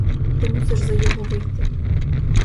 Ти мусиш за його вийти!